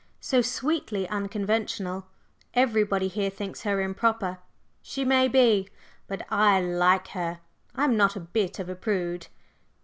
"So sweetly unconventional! Everybody here thinks her improper; she may be, but I like her. I'm not a bit of a prude."